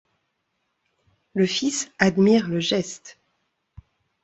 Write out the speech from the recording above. Le fils admire le geste.